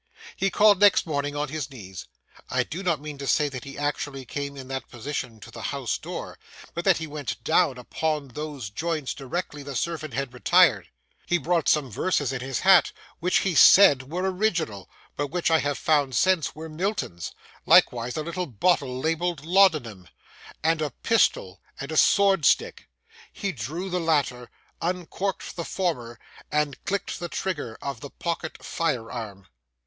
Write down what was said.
He called next morning on his knees; I do not mean to say that he actually came in that position to the house door, but that he went down upon those joints directly the servant had retired. He brought some verses in his hat, which he said were original, but which I have since found were Milton's; likewise a little bottle labelled laudanum; also a pistol and a sword stick. He drew the latter, uncorked the former, and clicked the trigger of the pocket fire arm.